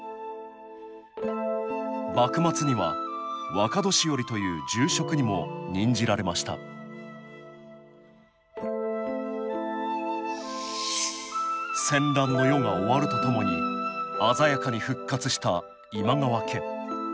幕末には若年寄という重職にも任じられました戦乱の世が終わるとともに鮮やかに復活した今川家。